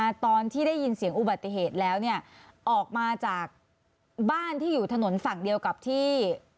ตอนที่ได้ยินเสียงอุบัติเหตุแล้วเนี่ยออกมาจากบ้านที่อยู่ถนนฝั่งเดียวกับที่